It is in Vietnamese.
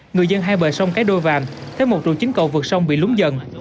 người dân hai bờ sông cái đôi vàm thấy một trụ chính cầu vượt sông bị lúng dần